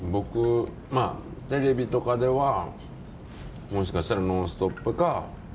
テレビとかでは、もしかしたら「ノンストップ！」か。